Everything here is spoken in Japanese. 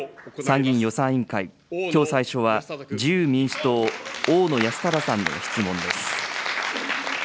参議院予算委員会、きょう最初は自由民主党、大野泰正さんの質問です。